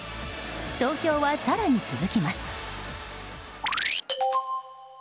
投票は、更に続きます。